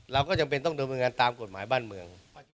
เราก็จำเป็นต้องดำเนินการตามกฎหมายบ้านเมือง